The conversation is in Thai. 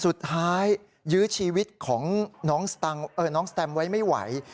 สุดท้ายยื้อชีวิตของน้องสตังส์เอ่อน้องสแตมส์ไว้ไม่ไหว